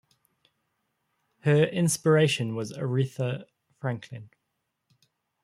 Her inspiration was Aretha Franklin.